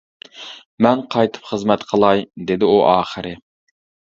-مەن قايتىپ خىزمەت قىلاي، -دېدى ئۇ ئاخىرى.